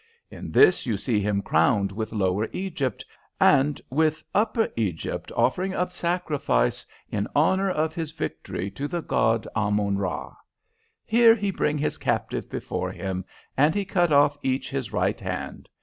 In this you see him crowned with Lower Egypt, and with Upper Egypt offering up sacrifice in honour of his victory to the God Ammon ra. Here he bring his captives before him, and he cut off each his right hand.